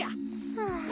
はあ。